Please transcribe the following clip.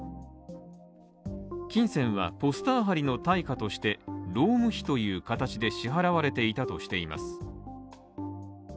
金銭はポスター貼りの対価として、労務費という形で支払われていたとしています。